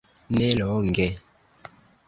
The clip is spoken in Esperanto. Ne longe.